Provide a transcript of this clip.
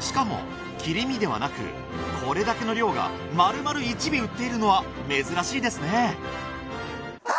しかも切り身ではなくこれだけの量が丸々１尾売っているのは珍しいですね何？